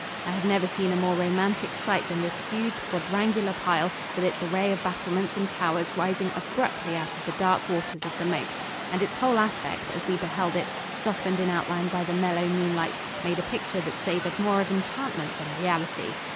I have never seen a more romantic sight than this huge, quadrangular pile, with its array of battlements and towers rising abruptly out of the dark waters of the moat. And its whole aspect, as we beheld it softened in outline by the mellow moonlight made a picture that savored more of enchantment than reality.